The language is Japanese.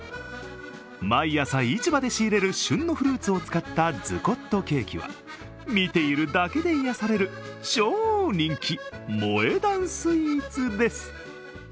毎朝、市場で仕入れる旬のフルーツを使ったズコットケーキは見ているだけで癒やされる、超人気萌え断スイーツです。